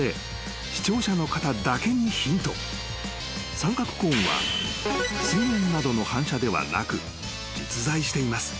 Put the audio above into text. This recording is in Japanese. ［三角コーンは水面などの反射ではなく実在しています］